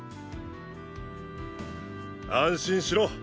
安心しろ！